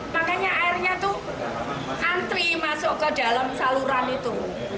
makanya airnya itu antri masuk ke dalam saluran itu